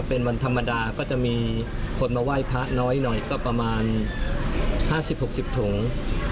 เป็นวันธรรมดาก็จะมีคนมาไหว้พระน้อยหน่อยก็ประมาณ๕๐๖๐ถุง